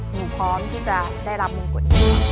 หนูพร้อมที่จะได้รับมงกุฎนี้